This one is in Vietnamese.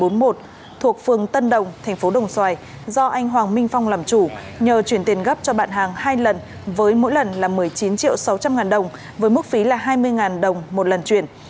thuộc phường tân đồng thành phố đồng xoài do anh hoàng minh phong làm chủ nhờ chuyển tiền gấp cho bạn hàng hai lần với mỗi lần là một mươi chín triệu sáu trăm linh ngàn đồng với mức phí là hai mươi đồng một lần chuyển